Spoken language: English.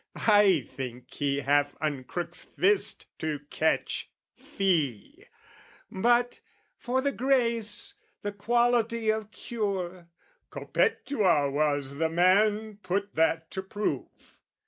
I think he half uncrooks fist to catch fee, But, for the grace, the quality of cure, Cophetua was the man put that to proof!